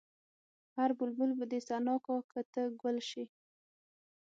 هر بلبل به دې ثنا کا که ته ګل شې.